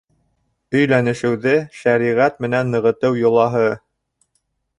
Өйләнешеүҙе шәриғәт менән нығытыу йолаһы.